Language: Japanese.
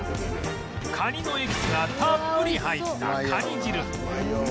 カニのエキスがたっぷり入ったカニ汁